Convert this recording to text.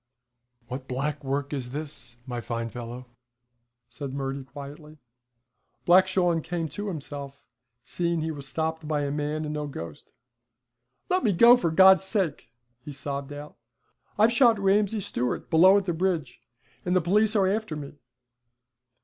'What black work is this, my fine fellow?' said Murty quietly. Black Shawn came to himself, seeing he was stopped by a man and no ghost. 'Let me go, for God's sake,' he sobbed out. 'I've shot Ramsay Stewart below at the bridge, and the police are after me.'